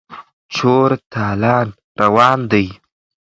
چور تالان روان دی.